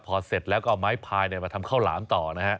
พอเสร็จแล้วก็เอาไม้พายมาทำข้าวหลามต่อนะฮะ